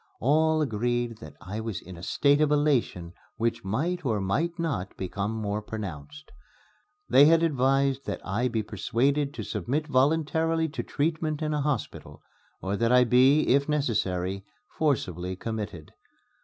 All agreed that I was in a state of elation which might or might not become more pronounced. They had advised that I be persuaded to submit voluntarily to treatment in a hospital, or that I be, if necessary, forcibly committed.